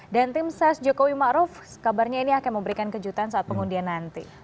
dan tim ses jokowi ma'ruf kabarnya ini akan memberikan kejutan saat pengundian nanti